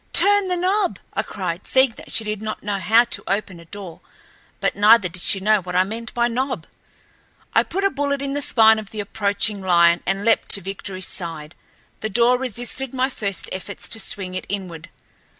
"Turn the knob!" I cried, seeing that she did not know how to open a door, but neither did she know what I meant by knob. I put a bullet in the spine of the approaching lion and leaped to Victoryl's side. The door resisted my first efforts to swing it inward.